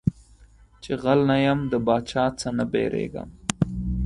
چي غل نه يم د باچا څه نه بيرېږم.